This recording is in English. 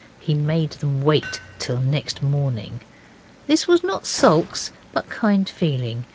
He made them wait till next morning. This was not sulks, but kind feeling.